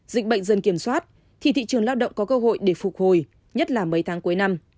dịch bệnh dần kiểm soát thì thị trường lao động có cơ hội để phục hồi nhất là mấy tháng cuối năm